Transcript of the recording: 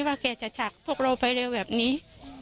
ว่าแกจะฉักพวกเราไปเร็วแบบนี้